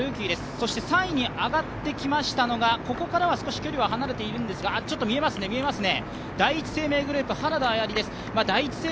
そして３位に上がってきましたのがここからは少し距離が離れているんですが第一生命グループです。